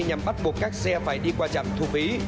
nhằm bắt buộc các xe phải đi qua trạm thu phí